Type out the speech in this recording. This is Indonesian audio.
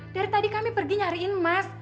dari tadi kami pergi nyariin emas